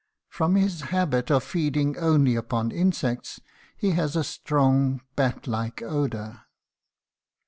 From his habit of feeding only upon insects he has a strong, bat like odor.